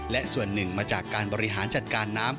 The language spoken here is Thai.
และส่วนหนึ่งมาจากการบริหารจัดการน้ำ